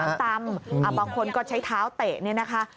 ใช่ถามตำบางคนก็ใช้เท้าเตะนี่นะคะ